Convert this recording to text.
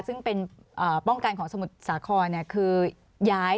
ซึ่งเป็นเอ่อป้องกันของสมุทรสาครเนี่ยคือย้าย